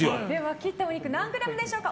切ったお肉何グラムでしょうか。